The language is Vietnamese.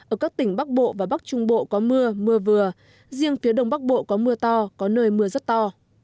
ở các tỉnh bắc bộ và bắc trung bộ có mưa mưa vừa riêng phía đông bắc bộ có mưa to có nơi mưa rất to